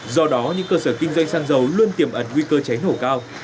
do đó những cơ sở kinh doanh xăng dầu luôn tiềm ẩn nguy cơ cháy nổ cao